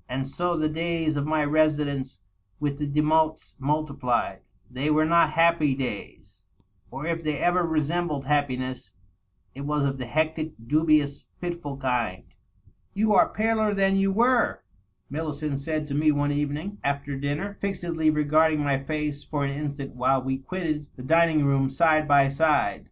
.. And so the days of my residence with the Demottes multiplied. They were not happy days, or, if they ever resembled happiness, it was of the hectic, dubious, fitful kind. " You are paler than you were,^^ Millicent said to me one evening, B&er dinner, fixedly regarding my face for an instant while we quitted the dining room side by side.